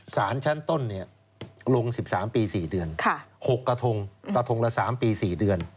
สารชั้นต้นเนี้ยลงสิบสามปีสี่เดือนค่ะหกกระทงประทงละสามปีสี่เดือน